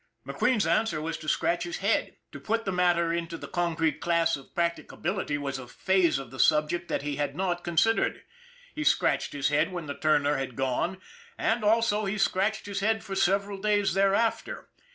McQueen's answer was to scratch his head. To put the matter into the concrete class of practica bility was a phase of the subject that he had not con sidered. He scratched his head when the turner had gone ; and, also, he scratched his head for several days thereafter.